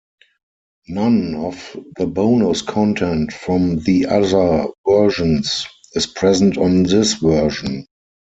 None of the bonus content from the other versions is present on this version.